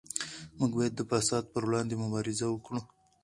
موږ باید د فساد پر وړاندې مبارزه وکړو.